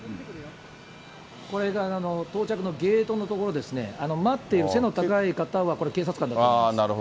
これが到着のゲートの所ですね、待っている背の高い方は、これ、警察官だと思います。